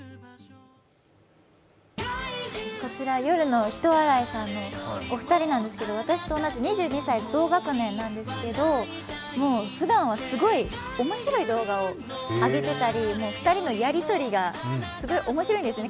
こちら、夜のひと笑いさんのお一人なんですけれども私と同じ２２歳、同学年なんですけど、ふだんはすごいおもしろい動画を上げてたり、２人のやりとりがすごい面白いんですね